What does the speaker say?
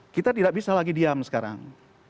kita tidak bisa lagi diam sekarang